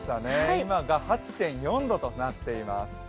今が８．４度となっています。